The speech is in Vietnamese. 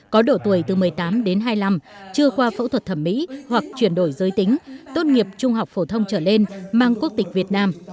có độ tuổi từ một mươi tám đến hai mươi năm chưa qua phẫu thuật thẩm mỹ hoặc chuyển đổi giới tính tốt nghiệp trung học phổ thông trở lên mang quốc tịch việt nam